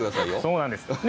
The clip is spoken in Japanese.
そうなんです。